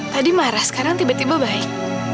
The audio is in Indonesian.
tadi marah sekarang tiba tiba baik